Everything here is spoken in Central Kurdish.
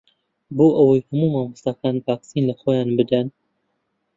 بۆ ئەوەی هەموو مامۆستاکان ڤاکسین لەخۆیان بدەن.